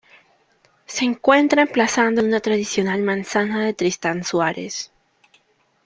Se encuentra emplazado en una tradicional manzana de Tristán Suárez.